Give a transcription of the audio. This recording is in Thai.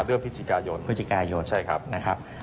เรื่องกดปิจิกายนเฉพาะครับ